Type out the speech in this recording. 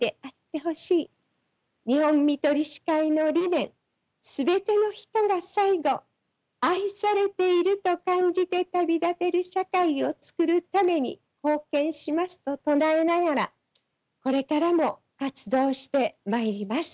日本看取り士会の理念全ての人が最期愛されていると感じて旅立てる社会を創るために貢献しますと唱えながらこれからも活動してまいります。